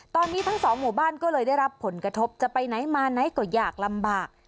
ตอนนี้ทั้งสองหมู่บ้านก็เลยได้รับผลกระทบจะไปไหนมาไหนก็อยากลำบาก